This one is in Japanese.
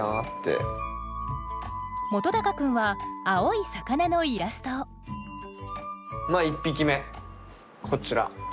本君は青い魚のイラストをまあ１匹目こちら。